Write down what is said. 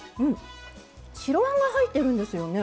白あんが入ってるんですよね